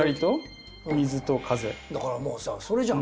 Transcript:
だからもうさそれじゃん。